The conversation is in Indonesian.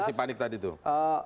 indikasi panik tadi tuh